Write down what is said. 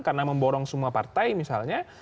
karena memborong semua partai misalnya